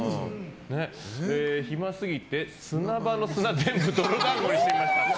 暇すぎて砂場の砂全部泥団子にしてみました。